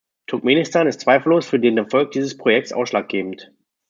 Turkmenistan ist zweifellos für den Erfolg dieses Projekts ausschlaggebend.